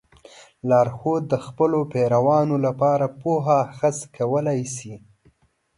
لارښود د خپلو پیروانو لپاره پوهه اخذ کولی شي.